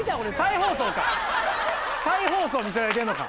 再放送見せられてるのか？